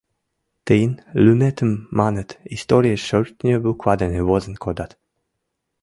Тыйын лӱметым, маныт, историеш шӧртньӧ буква дене возен кодат.